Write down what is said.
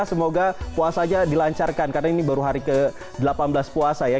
semoga puasanya dilancarkan karena ini baru hari ke delapan belas puasa ya